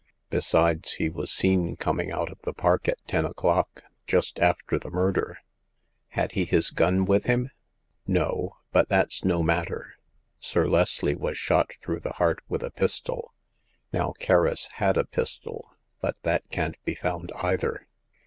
Besides, he was seen coming out of the park at ten o'clock— just after the murder !*'Had he his gun with him ?"No ; but that's no matter. Sir Leslie was shot through the heart with a pistol. Now, Kerris had a pistol, but that can't be found either.